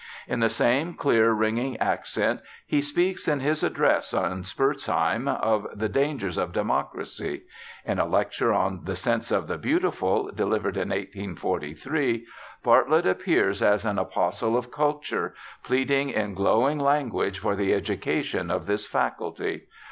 In the same clear, ringing accent he speaks in his address on Spurzheim of the dangers of democracy. In a lecture on The Sense of the Beautiful, delivered in 1843, Bartlett appears as an apostle of culture, pleading in glowing language for the education of this faculty.